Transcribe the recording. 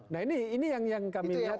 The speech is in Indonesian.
nah ini yang kami lihat